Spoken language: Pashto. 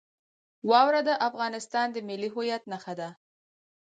واوره د افغانستان د ملي هویت نښه ده.